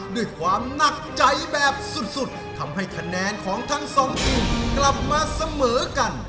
ด้วยความหนักใจแบบสุดทำให้คะแนนของทั้งสองทีมกลับมาเสมอกัน